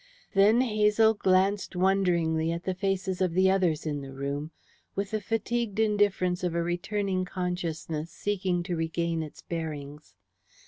Then Hazel glanced wonderingly at the faces of the others in the room, with the fatigued indifference of a returning consciousness seeking to regain its bearings.